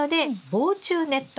防虫ネット？